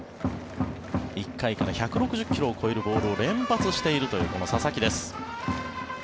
１回から１６０ｋｍを超えるボールを連発しているというこの佐々木です。